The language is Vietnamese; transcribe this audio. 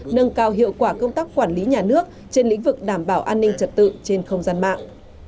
nâng cao hiệu quả công tác quản lý nhà nước trên lĩnh vực đảm bảo an ninh trật tự trên không gian mạng